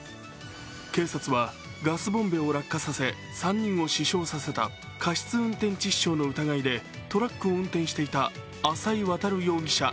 警察はガスボンベを落下させ、３人を死傷させた過失運転致死傷の疑いでトラックを運転していた浅井渉容疑者